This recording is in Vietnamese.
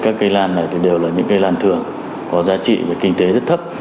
các cây lan này đều là những cây lan thường có giá trị và kinh tế rất thấp